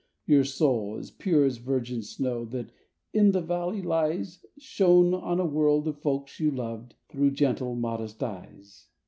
Your soul, as pure as virgin snow that in the valley lies. Shone on a world of folks you loved, through gentle, modest eyes.